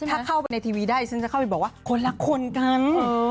ถ้าเข้าไปในทีวีได้ฉันจะเข้าไปบอกว่าคนละคนกัน